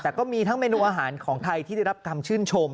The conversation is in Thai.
แต่ก็มีทั้งเมนูอาหารของไทยที่ได้รับคำชื่นชม